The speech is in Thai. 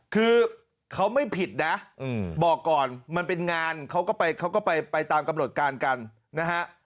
คือเขาไม่ผิดนะบอกก่อนมันเป็นงานเขาก็ไปเขาก็ไปตามกำหนดการกันนะฮะ